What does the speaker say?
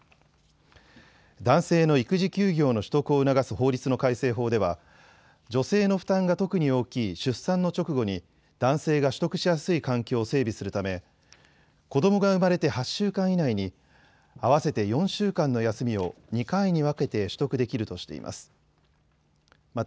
男性の育児休業の取得を促す法律の改正法では女性の負担が特に大きい出産の直後に男性が取得しやすい環境を整備するため子どもが生まれて８週間以内に合わせて４週間の休みを２回に分けて取得できるとしています。